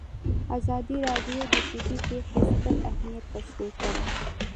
ازادي راډیو د طبیعي پېښې ستر اهميت تشریح کړی.